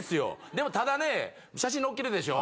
でもただね写真のっけるでしょ？